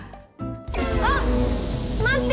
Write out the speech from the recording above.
あっ待って！